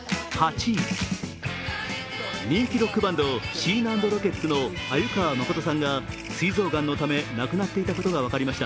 人気ロックバンドシーナ＆ロケッツの鮎川誠さんがすい臓がんのため亡くなっていたことが分かりました。